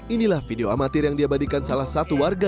inilah video amatir yang diabadikan salah satu warga